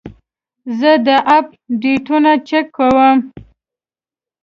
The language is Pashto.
زه د اپ ډیټونه چک کوم.